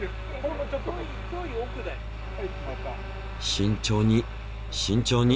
慎重に慎重に。